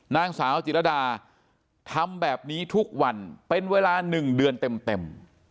นางสาวจิรดาทำแบบนี้ทุกวันเป็นเวลา๑เดือนเต็ม